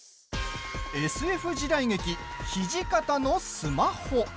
ＳＦ時代劇「土方のスマホ」。